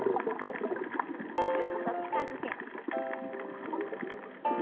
ぎゅっと近づけて。